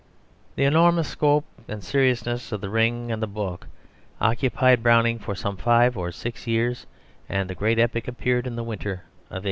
The enormous scope and seriousness of The Ring and the Book occupied Browning for some five or six years, and the great epic appeared in the winter of 1868.